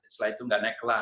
setelah itu nggak naik kelas